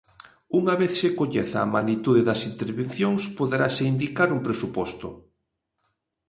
Unha vez se coñeza a magnitude das intervencións, poderase indicar un presuposto.